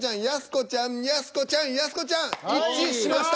一致しました。